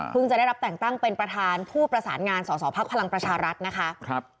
พึ่งจะได้รับแต่งตั้งเป็นประธานผู้ประสานงานสสพภภภรัฐนะคะ